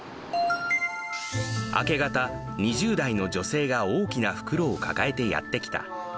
明け方、２０代の女性が大きな袋を抱えてやって来た。